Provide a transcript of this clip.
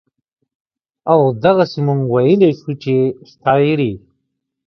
او دغسې مونږ وئيلے شو چې شاعري